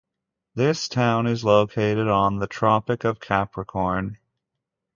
This town is located on the Tropic of Capricorn.